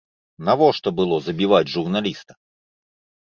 Навошта было забіваць журналіста?